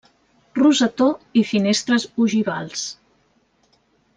Rosetó i finestres ogivals.